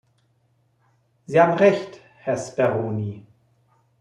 Sie haben Recht, Herr Speroni.